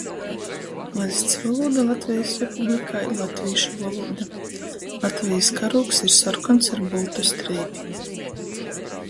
Vaļsts volūda Latvejis Republikā ir latvīšu volūda. Latvejis karūgs ir sorkons ar boltu streipi.